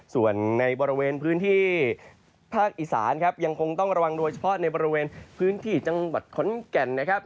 ส่วนในบริเวณพื้นที่ภาคอีสานครับยังคงต้องระวังโดยเฉพาะในบริเวณพื้นที่จังหวัดขอนแก่นนะครับ